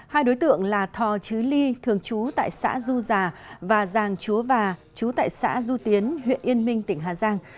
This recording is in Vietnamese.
hai đối tượng là thò chứ ly thường trú tại xã du già và giàng chúa và chú tại xã du tiến huyện yên minh tỉnh hà giang